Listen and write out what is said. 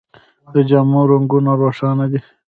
د جامو رنګونه روښانه دي.